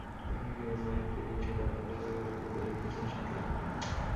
একই গ্রামে আরেকটি টিনশেড আধাপাকা ঘরের মূল্য দেখিয়েছেন সাত লাখ টাকা।